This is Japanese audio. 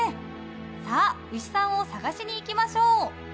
さあ牛さんを探しに行きましょう。